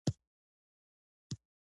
دي هغه شیان مهم او اصیل ګڼي.